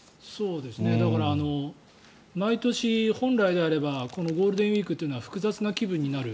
だから、毎年本来であればこのゴールデンウィークというのは複雑な気分になる。